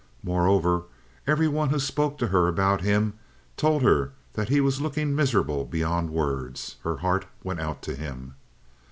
Moreover, every one who spoke to her about him told her that he was looking miserable beyond words. Her heart went out to him.